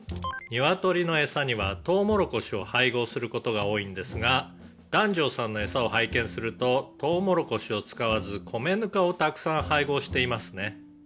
「ニワトリの餌にはトウモロコシを配合する事が多いんですが檀上さんの餌を拝見するとトウモロコシを使わず米ぬかをたくさん配合していますね」